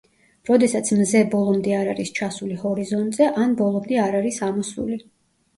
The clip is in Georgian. როდესაც მზე ბოლომდე არ არის ჩასული ჰორიზონტზე ან ბოლომდე არ არის ამოსული.